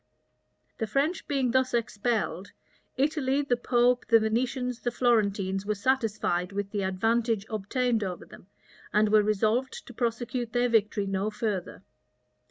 The French being thus expelled Italy, the pope, the Venetians, the Florentines, were satisfied with the advantage obtained over them, and were resolved to prosecute their victory no further.